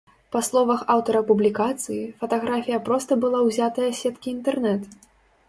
Па словах аўтара публікацыі, фатаграфія проста была ўзятая з сеткі інтэрнэт.